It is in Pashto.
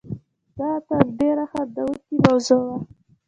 دا تر ډېره خندوونکې موضوع وه.